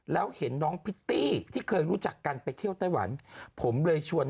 แล้วเห็นน้องพิตตี้ที่เคยรู้จักกันไปเที่ยวไต้หวันผมเลยชวน